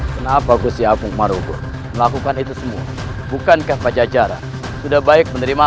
kenapa gue siap mengharuskan melakukan itu semua bukankah pajak jalan sudah baik menerima